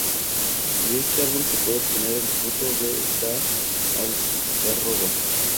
De este árbol se puede obtener el fruto de la algarroba.